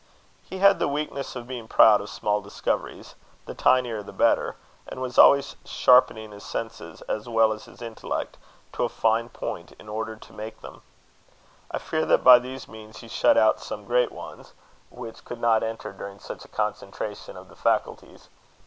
He had the weakness of being proud of small discoveries the tinier the better; and was always sharpening his senses, as well as his intellect, to a fine point, in order to make them. I fear that by these means he shut out some great ones, which could not enter during such a concentration of the faculties.